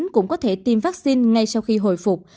cũng có thể tiêm vaccine ngay sau khi hồi phục